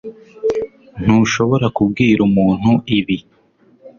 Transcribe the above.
Ntushobora kubwira umuntu ibi